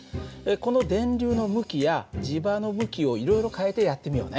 この電流の向きや磁場の向きをいろいろ変えてやってみようね。